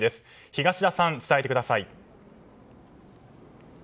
東田さん、伝えてください。